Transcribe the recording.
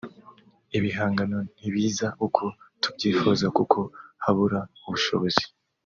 Ibihangano ntibiza uko tubyifuza kuko habura ubushobozi